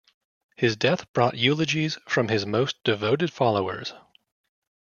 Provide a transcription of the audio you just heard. His death brought eulogies from his most devoted followers.